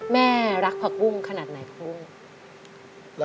แม่รักภักบุ้งขนาดไหนครับ